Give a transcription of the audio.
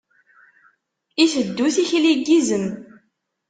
Iteddu tikli n yizem.